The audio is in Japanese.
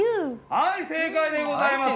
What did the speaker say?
はい正解でございます。